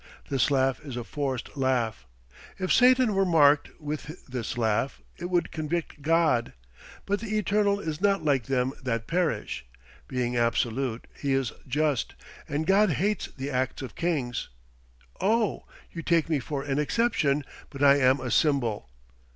This laugh is a forced laugh. If Satan were marked with this laugh, it would convict God. But the Eternal is not like them that perish. Being absolute, he is just; and God hates the acts of kings. Oh! you take me for an exception; but I am a symbol.